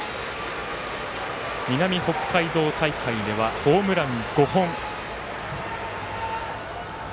南北海道大会ではホームラン５本。